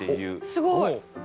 すごい！